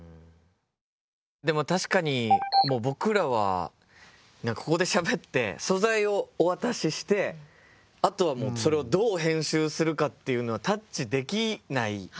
でも確かに僕らはここでしゃべって素材をお渡ししてあとはそれをどう編集するかっていうのはタッチできない。